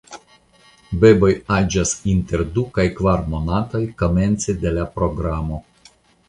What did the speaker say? Beboj aĝas inter du kaj kvar monatoj komence de la programo.